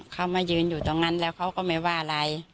เขามายืนอยู่ตรงนั้นแล้วเขาก็ไม่ว่าอะไร